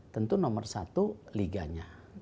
tentu nomor satu liganya